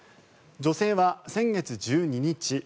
女性は先月１２日